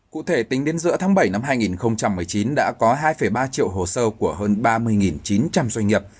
cụ thể tính đến giữa tháng bảy năm hai nghìn một mươi chín đã có hai ba triệu hồ sơ của hơn ba mươi chín trăm linh doanh nghiệp